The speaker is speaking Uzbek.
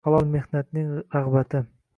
Halol mehnatning rag‘bati